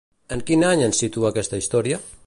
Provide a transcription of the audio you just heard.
En quin any ens situa aquesta història?